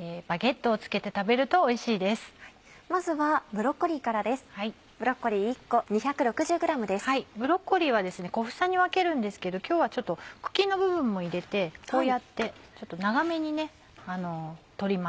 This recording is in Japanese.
ブロッコリーは小房に分けるんですけど今日はちょっと茎の部分も入れてこうやってちょっと長めに取ります。